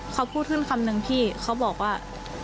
เขาพูดขึ้นคำนึงพี่เขาบอกว่า